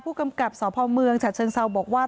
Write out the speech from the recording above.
ผู้กำกับสพเมืองฉะเชิงเซาบอกว่า